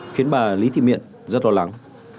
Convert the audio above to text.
khiến bà lý thị miện rất lo lắng